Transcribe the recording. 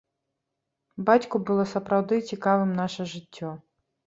Бацьку было сапраўды цікавым наша жыццё.